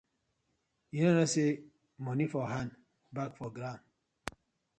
Yu kow say moni for hand back na grawn.